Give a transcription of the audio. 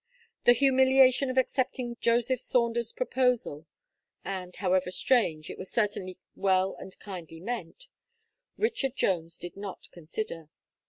The humiliation of accepting Joseph Saunders proposal, and, however strange, it was certainly well and kindly meant Richard Jones did not consider.